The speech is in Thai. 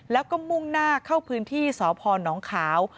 แล้วก็มุ่งหน้าเข้าพื้นที่สพนขาว